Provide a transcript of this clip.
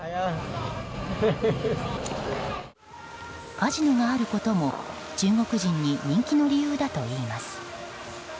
カジノがあることも中国人に人気の理由だといいます。